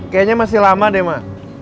kayaknya masih lama deh ma